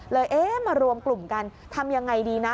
เลยมารวมกลุ่มกันทำอย่างไรดีนะ